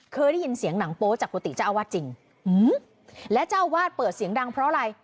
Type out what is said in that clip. เคยได้ยินเสียงหนังโป๊จากกุฏิเจ้าอาวาสจริงและเจ้าอาวาสเปิดเสียงดังเพราะอะไร